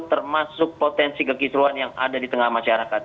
termasuk potensi kekisruan yang ada di tengah masyarakat